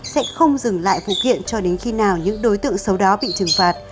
sẽ không dừng lại phụ kiện cho đến khi nào những đối tượng xấu đó bị trừng phạt